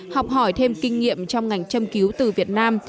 học hỏi thêm kinh nghiệm trong ngành châm cứu từ việt nam